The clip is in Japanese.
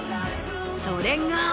それが。